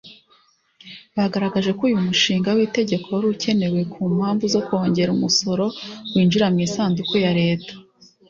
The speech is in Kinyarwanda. bagaragaje ko uyu mushinga w’itegeko wari ukenewe ku mpamvu zo kongera umusoro winjira mu isanduku ya Leta